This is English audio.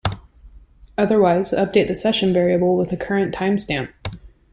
Otherwise, update the session variable with the current timestamp.